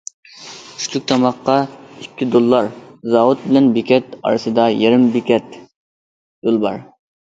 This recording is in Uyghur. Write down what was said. چۈشلۈك تاماققا ئىككى دوللار، زاۋۇت بىلەن بېكەت ئارىسىدا يېرىم بېكەت يول بار.